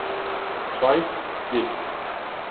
Swift, Dep.